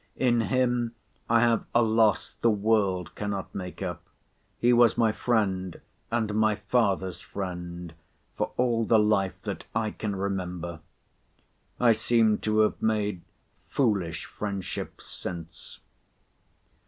In him I have a loss the world cannot make up. He was my friend, and my father's friend, for all the life that I can remember. I seem to have made foolish friendships since.